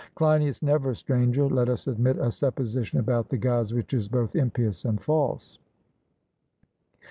CLEINIAS: Never, Stranger, let us admit a supposition about the Gods which is both impious and false.